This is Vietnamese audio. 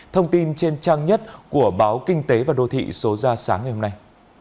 thông tin trên trang nhất của báo kinh tế và đô thị số ra sáng ngày hôm nay